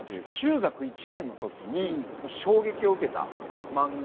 中学１年の時に衝撃を受けた漫画がこれですね。